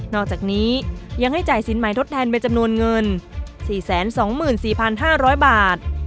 นอกจากนี้ยังให้จ่ายสินใหม่ทดแทนเป็นจำนวนเงินสี่แสนสองหมื่นสี่พันห้าร้อยบาท